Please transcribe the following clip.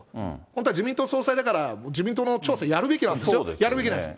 本当は自民党総裁だから、自民党の調査やるべきなんですよ、やるべきなんです。